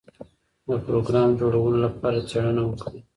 د پروګرام جوړولو لپاره څېړنه وکړئ.